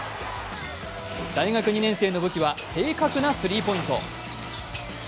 大学２年生の武器は正確なスリーポイント。